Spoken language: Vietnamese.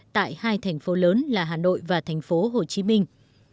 tại hai thành phố lớn là hà nội và thành phố hồ chí minh